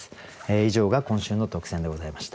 以上が今週の特選でございました。